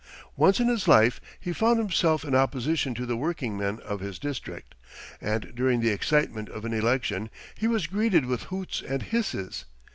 Once in his life he found himself in opposition to the workingmen of his district, and during the excitement of an election he was greeted with hoots and hisses.